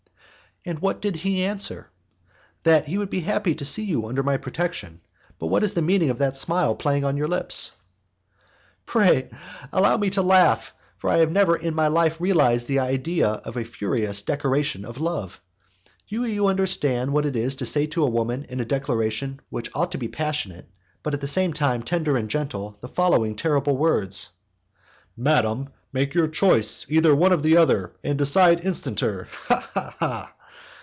"And what did he answer?" "That he would be happy to see you under my protection. But what is the meaning of that smile playing on your lips?" "Pray, allow me to laugh, for I have never in my life realized the idea of a furious declaration of love. Do you understand what it is to say to a woman in a declaration which ought to be passionate, but at the same time tender and gentle, the following terrible words: "'Madam, make your choice, either one or the other, and decide instanter!' Ha! ha! ha!"